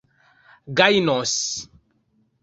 gajnos